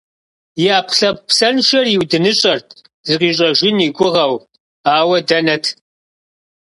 И ӏэпкълъэпкъ псэншэр иудыныщӏэрт, зыкъищӏэжын и гугъэу. Ауэ дэнэт…